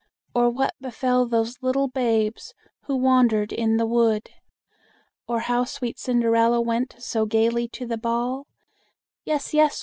Or what befell those little Babes Who wandered in the Wood? Or how sweet Cinderella went So gaily to the ball?" "Yes, yes!"